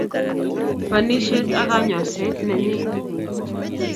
banishet ak kanyoset nenyii